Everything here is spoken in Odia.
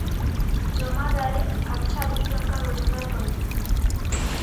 ଜମାଦାରେ ଆଚ୍ଛା ଦୁଇଟଙ୍କା ରୋଜଗାର କରିଥିଲେ ।